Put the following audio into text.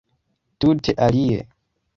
Tute alie.